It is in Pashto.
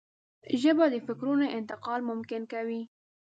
ژبه د فکرونو انتقال ممکن کوي